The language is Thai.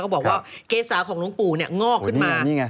บอกว่าเกษาของหลวงปู่เนี่ยงอกขึ้นมา